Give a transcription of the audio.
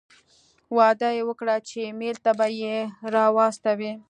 وعده یې وکړه چې ایمېل ته به یې را واستوي.